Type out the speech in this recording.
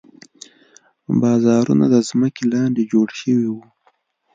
بازارونه د ځمکې لاندې جوړ شوي وو.